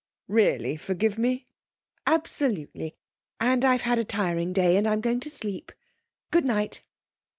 'Really forgive me?' 'Absolutely. And I've had a tiring day and I'm going to sleep. Good night.'